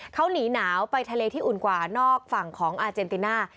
เขาหนีหนาวไปทะเลที่อุ่นกว่านอกฝั่งของอาเจนติน่า